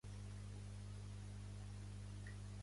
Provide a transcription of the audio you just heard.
Pertany al moviment independentista el meu oncle?